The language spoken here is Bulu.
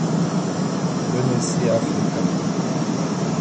Be ne si ya Africa mu.